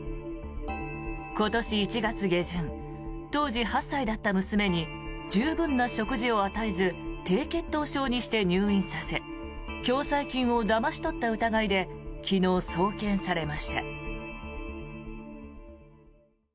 今年１月下旬当時８歳だった娘に十分な食事を与えず低血糖症にして入院させ共済金をだまし取った疑いで昨日、送検されました。